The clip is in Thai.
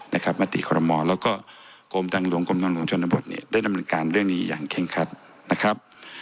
นะครับมาตรีครมแล้วก็กรมทางหลวงชนบทนี่ได้ดำเนินการเรื่องนี้อย่างเค้งคัดนะครับ